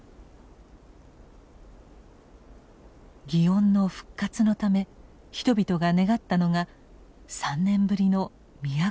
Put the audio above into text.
祇園の復活のため人々が願ったのが３年ぶりの「都をどり」でした。